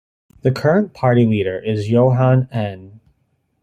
The current party leader is Johan Ehn.